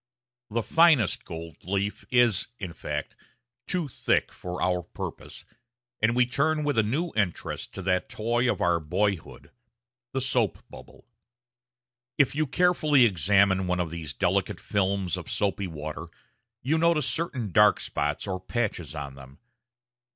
The finest gold leaf is, in fact, too thick for our purpose, and we turn with a new interest to that toy of our boyhood the soap bubble. If you carefully examine one of these delicate films of soapy water, you notice certain dark spots or patches on them.